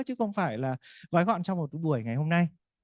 chứ không phải là gói gọn trong một buổi ngày hôm nay